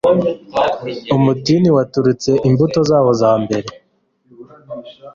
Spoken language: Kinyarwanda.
umutini waturitse imbuto zawo za mbere